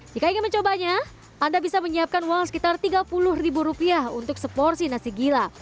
jika ingin mencobanya anda bisa menyiapkan uang sekitar tiga puluh ribu rupiah untuk seporsi nasi gila